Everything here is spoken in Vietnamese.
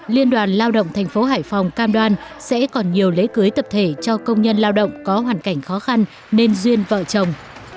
liên đoàn lao động thành phố hải phòng cam đoan sẽ còn nhiều lễ cưới tập thể cho công nhân lao động có hoàn cảnh khó khăn nên duyên vợ chồng